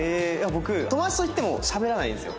僕友達と行ってもしゃべらないんですよ。